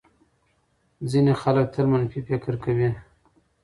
ځینې خلک تل منفي فکر کوي.